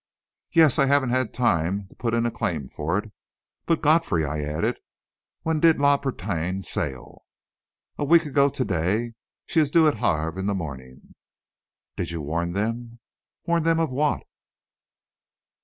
"Yes; I haven't had time to put in a claim for it. But, Godfrey," I added, "when did La Bretagne sail?" "A week ago to day. She is due at Havre in the morning." "Did you warn them?" "Warn them of what?"